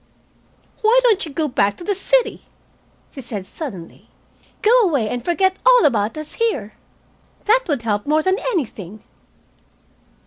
"Why don't you go back to the city?" she said suddenly. "Go away and forget all about us here. That would help more than anything."